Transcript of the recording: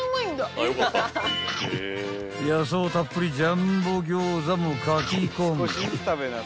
［野草たっぷりジャンボ餃子もかき込む］